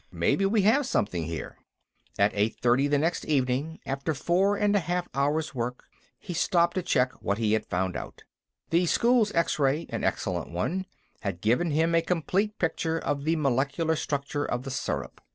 Maybe we have something, here." At eight thirty the next evening, after four and a half hours work, he stopped to check what he had found out. The school's X ray, an excellent one, had given him a complete picture of the molecular structure of the syrup.